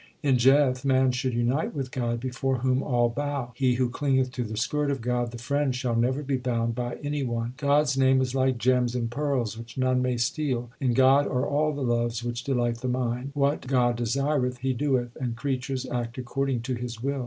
In Jeth man should unite with God before whom all bow. He who clingeth to the skirt of God, the Friend, shall never be bound by any one. God s name is like gems and pearls which none may steal. In God are all the loves which delight the mind. What God desireth He doeth, and creatures act according to His will.